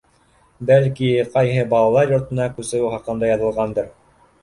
Бәлки, ҡайһы балалар йортона күсеүе хаҡында яҙылғандыр.